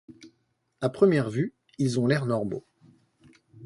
À première vue, ils ont l'air normaux.